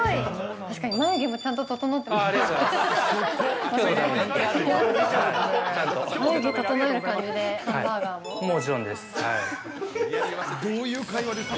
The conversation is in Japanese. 確かに眉毛もちゃんと整ってますもんね。